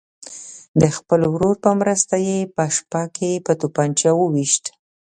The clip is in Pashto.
د خپل ورور په مرسته یې په شپه کې په توپنچه ویشت.